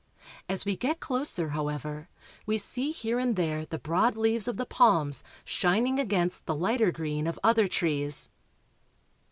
As we get closer, however, we see here and there the broad leaves of the palms shining against the lighter green of other trees.